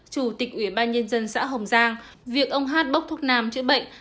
chủ tịch ủy ban nhân dân xã hồng giang việc ông hát bốc thuốc nam chữa bệnh